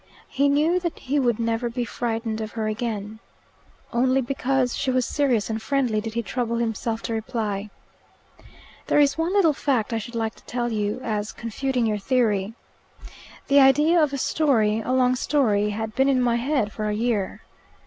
He knew that he would never be frightened of her again. Only because she was serious and friendly did he trouble himself to reply. "There is one little fact I should like to tell you, as confuting your theory. The idea of a story a long story had been in my head for a year.